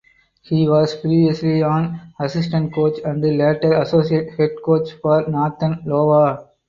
He was previously an assistant coach and later associate head coach for Northern Iowa.